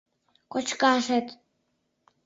Кочкашет